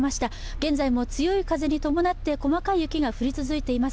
現在も強い風に伴って細かい雪が降り続いています。